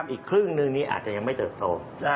อีกครึ่งนึงนี้อาจจะยังไม่เติบโต